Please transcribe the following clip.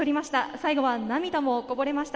最後は涙もこぼれました。